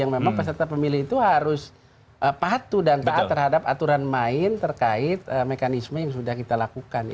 yang memang peserta pemilih itu harus patuh dan taat terhadap aturan main terkait mekanisme yang sudah kita lakukan